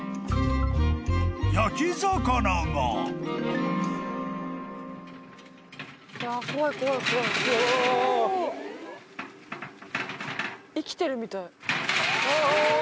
［焼き魚が］生きてるみたい。